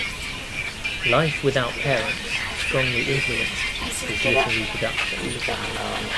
Life without parents strongly influenced his literary production.